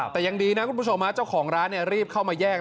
แต่ยังดีนะคุณผู้ชมเจ้าของร้านรีบเข้ามาแย่ง